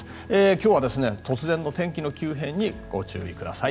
今日は突然の天気の急変にご注意ください。